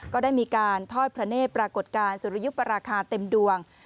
ก็ได้มีการทอดพระเนธปรากฏการณ์สุริยุปราคาเต็มดวง